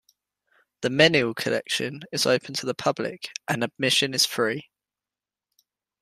The Menil Collection is open to the public, and admission is free.